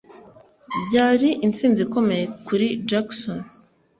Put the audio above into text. Byari intsinzi ikomeye kuri Jackson.